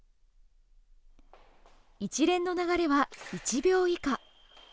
一連の流れは１秒以下。